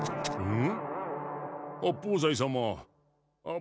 ん？